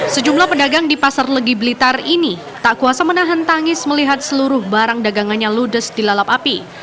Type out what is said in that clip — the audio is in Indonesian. sejumlah pedagang di pasar legi blitar ini tak kuasa menahan tangis melihat seluruh barang dagangannya ludes dilalap api